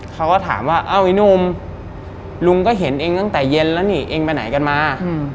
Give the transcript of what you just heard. เขาก็ถามว่าเอ้าไอ้หนุ่มลุงก็เห็นเองตั้งแต่เย็นแล้วนี่เองไปไหนกันมา